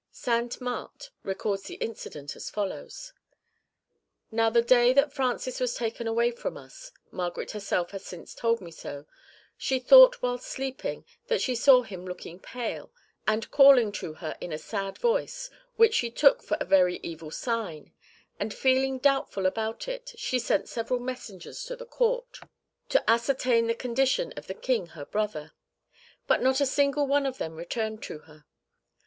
Sainte Marthe records the incident as follows: "Now the day that Francis was taken away from us (Margaret herself has since told me so), she thought whilst sleeping that she saw him looking pale, and calling for her in a sad voice, which she took for a very evil sign; and feeling doubtful about it, she sent several messengers to the Court to ascertain the condition of the King her brother, but not a single one of them returned to her.